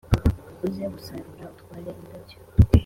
uza gusarura utwara indabyo.